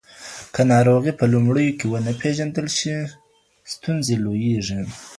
که ناروغي په لومړیو کې ونه پیژندل شي، ستونزې لویېږي.